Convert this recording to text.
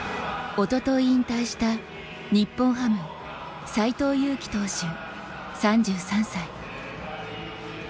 おととい、引退した日本ハム・斎藤佑樹投手、３３歳。